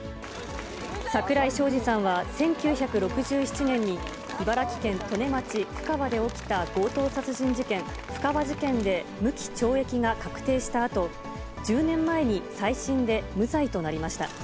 桜井昌司さんは１９６７年に茨城県利根町布川で起きた強盗殺人事件、布川事件で無期懲役が確定したあと、１０年前に再審で無罪となりました。